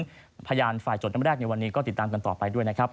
เพราะฉะนั้นพยานฝ่ายจดทั้งหมดแรกในวันนี้ก็ติดตามกันต่อไปด้วยนะครับ